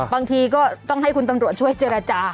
บางทีก็ต้องให้คุณตำรวจช่วยเจรจา